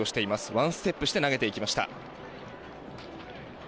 ワンステップして投げていきました。